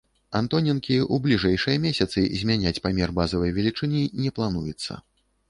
Антоненкі, у бліжэйшыя месяцы змяняць памер базавай велічыні не плануецца.